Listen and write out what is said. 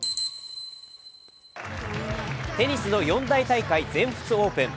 テニスの四大大会、全仏オープン。